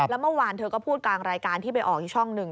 แล้วเมื่อวานเธอก็พูดกลางรายการที่ไปออกอีกช่องหนึ่ง